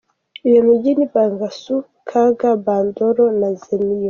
iyo mijyi ni Bangassou, Kaga Bandoro, na Zemio.